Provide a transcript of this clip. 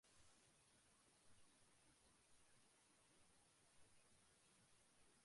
Development of the first machine was completed within two years.